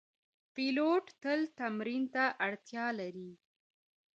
پیلوټ تل تمرین ته اړتیا لري.